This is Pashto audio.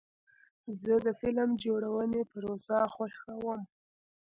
زه د فلم جوړونې پروسه خوښوم.